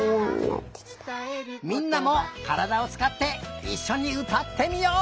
みんなもからだをつかっていっしょにうたってみよう！